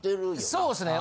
そうですね。